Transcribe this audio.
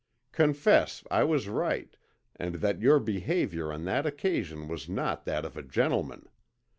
Confess I was right, and that your behaviour on that occasion was not that of a gentleman.